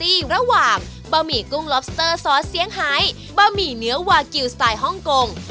นี่ระหว่างบะหมี่กุ้งล็อบสเตอร์ซอสเสียงไฮบะหมี่เนื้อวากิลสไตล์ฮ่องกง